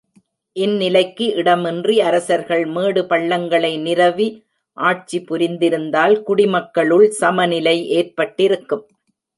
இந்நிலைக்கு இடமின்றி, அரசர்கள் மேடு பள்ளங்களை நிரவி ஆட்சி புரிந்திருந்தால் குடிமக்களுள் சமநிலை ஏற்பட்டிருக்கும்.